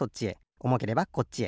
おもければこっちへ。